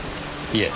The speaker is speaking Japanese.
いえ。